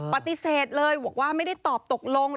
ปฏิเสธเลยบอกว่าไม่ได้ตอบตกลง